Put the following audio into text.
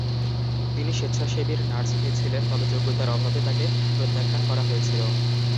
তিনি স্বেচ্ছাসেবীর নার্স হয়েছিলেন, তবে যোগ্যতার অভাবে তাকে প্রত্যাখ্যান করা হয়েছিল।